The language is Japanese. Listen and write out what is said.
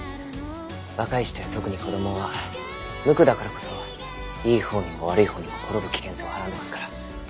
若い人や特に子供は無垢だからこそいいほうにも悪いほうにも転ぶ危険性をはらんでますから。